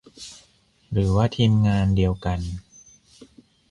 หรือว่าทีมงานเดียวกัน